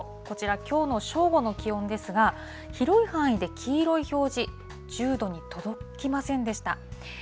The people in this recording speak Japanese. こちら、きょうの正午の気温ですが、広い範囲で黄色い表示、１０度に届きませんでした。